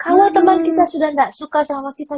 kalau temen kita sudah gak suka sama kita